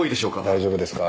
大丈夫ですか？